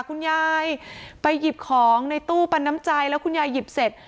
คุณยายไปหยิบของในตู้ปันน้ำใจแล้วคุณยายหยิบเสร็จ